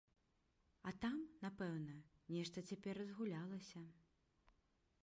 А там, напэўна, нешта цяпер разгулялася.